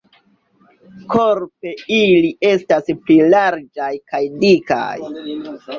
Korpe ili estas pli larĝaj kaj dikaj.